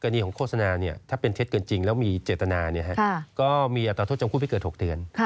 การีของโฆษณาเนี่ยถ้าเป็นเท็จเกินจริงแล้วมีเจตนาก็มีอัตราโทษจามคุณเพื่อเกิด๖เดือน